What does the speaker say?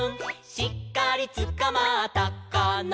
「しっかりつかまったかな」